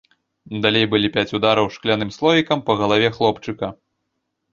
Далей былі пяць удараў шкляным слоікам па галаве хлопчыка.